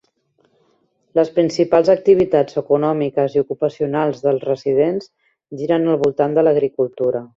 Les principals activitats econòmiques i ocupacionals dels residents giren al voltant de l'agricultura.